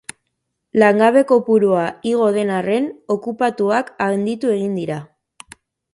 Langabe kopurua igo den arren, okupatuak handitu egin dira.